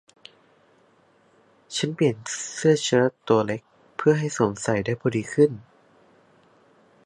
ฉันเปลี่ยนเสื้อเชิ้ตตัวเล็กเพื่อให้สวมใส่ได้พอดีขึ้น